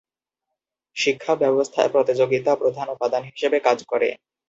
শিক্ষা ব্যবস্থায় প্রতিযোগিতা প্রধান উপাদান হিসেবে কাজ করে।